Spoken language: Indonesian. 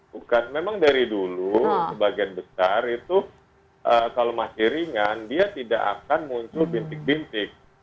bukan memang dari dulu sebagian besar itu kalau masih ringan dia tidak akan muncul bintik bintik